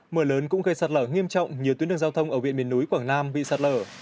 mưa lớn cũng gây sạt lở nghiêm trọng như tuyến đường giao thông ở huyện biển núi quảng nam bị sạt lở